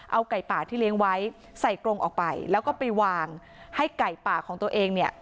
เอาไก่ป่าที่เลี้ยงไว้ใส่กรงออกไปแล้วก็ไปวางให้ไก่ป่าของตัวเองเนี่ย